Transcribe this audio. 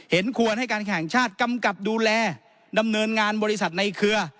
ควรให้การแข่งชาติกำกับดูแลดำเนินงานบริษัทในเครือ